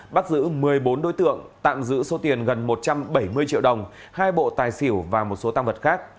bắt giữ một mươi bốn đối tượng tạm giữ số tiền gần một trăm bảy mươi triệu đồng hai bộ tài xỉu và một số tăng vật khác